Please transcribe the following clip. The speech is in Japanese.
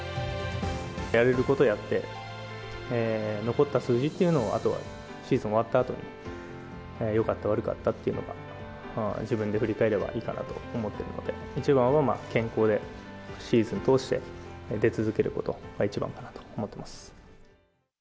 やれることをやって、残った数字っていうのは、あとはシーズン終わったあとに、よかった、悪かったっていうのが自分で振り返ればいいかなと思ってるので、一番は健康で、シーズン通して、出続けることが一番かなと思ってます。